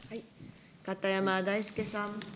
片山大介さん。